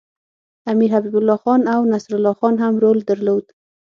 امیر حبیب الله خان او نصرالله خان هم رول درلود.